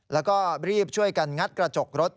แล้วก็รีบช่วยกันงัดกระจกรถ